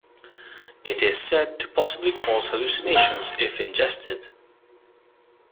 It is said to possibly cause hallucinations if ingested.